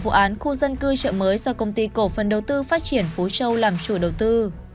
vụ án khu dân cư chợ mới do công ty cổ phần đầu tư phát triển phú châu làm chủ đầu tư